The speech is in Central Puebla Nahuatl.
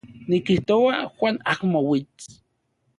Nikijtoa Juan amo uits.